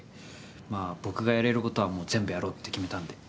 まあ僕がやれることはもう全部やろうって決めたんで。